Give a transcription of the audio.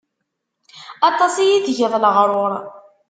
Aṭas i yi-tgiḍ leɣruṛ.